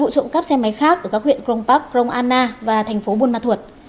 một mươi vụ trộm cắp xe máy khác ở các huyện crong park crong anna và thành phố buôn mạ thuột